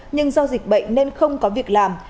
nhưng do dịch bệnh nên không có việc làm